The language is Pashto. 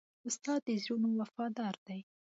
استاد د زړونو وفادار دی.